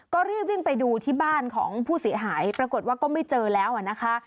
ก็รีบวิ่งไปดูที่บ้านของผู้เสียหายปรากฏว่าก็ไม่เจอแล้วนะคะ